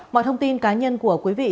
mọi thông tin cá nhân của quý vị